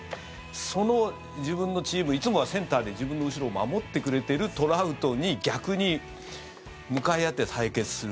その自分のチームいつもはセンターで自分の後ろを守ってくれてるトラウトに逆に、向かい合って対決する。